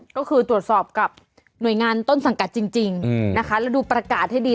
ก็คือตรวจสอบกับหน่วยงานต้นสังกัดจริงนะคะแล้วดูประกาศให้ดี